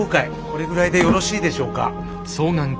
これぐらいでよろしいでしょうか。